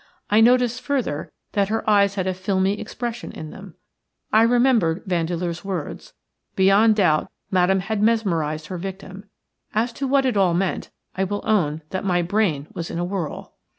I noticed further that her eyes had a filmy expression in them. I remembered Vandeleur's words. Beyond doubt Madame had mesmerized her victim. As to what it all meant, I will own that my brain was in a whirl.